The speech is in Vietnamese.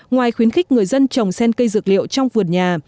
ngoài khuyến khích người dân trồng sen cây dược liệu trong vườn nhà